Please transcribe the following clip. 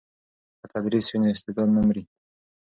که تدریس وي نو استعداد نه مري.